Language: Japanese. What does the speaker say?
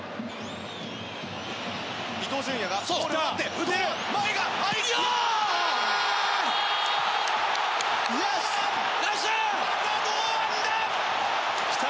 伊東純也が来て。